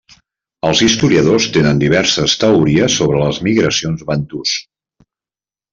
Els historiadors tenen diverses teories sobre les migracions bantus.